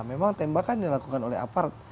memang tembakan dilakukan oleh aparat